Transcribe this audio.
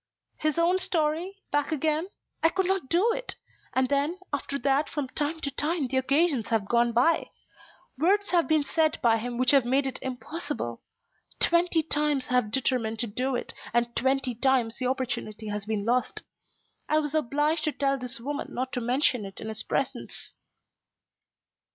"His own story, back again? I could not do it, and then, after that, from time to time the occasions have gone by. Words have been said by him which have made it impossible. Twenty times I have determined to do it, and twenty times the opportunity has been lost. I was obliged to tell this woman not to mention it in his presence."